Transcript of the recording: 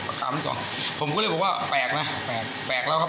อาการวันที่สองผมก็เรียกว่าแปลกนะแปลกแปลกแล้วครับ